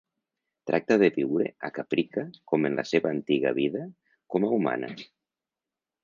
Tracta de viure a Caprica com en la seva antiga vida com a humana.